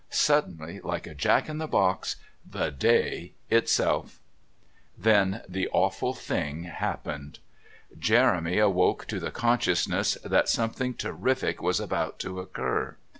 Suddenly, like a Jack in the Box, The Day itself. Then the awful thing happened. Jeremy awoke to the consciousness that something terrific was about to occur.